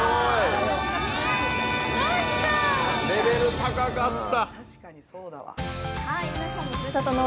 レベル高かった。